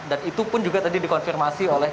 dan itu pun juga tadi dikonfirmasi oleh